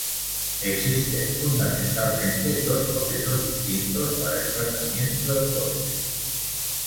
Existen fundamentalmente dos procesos distintos para el tratamiento del corcho.